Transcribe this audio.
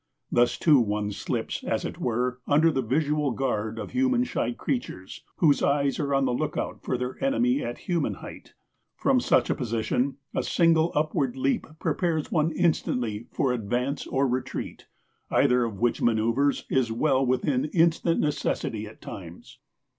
Thus too one slips, as it were, under the visual guard of human shy creatures, whose eyes are on the lookout for their enemy at human height. From such a position, a single upward leap prepares one instantly for advance or retreat, either of which manoeuvres is well within instant necessity at times.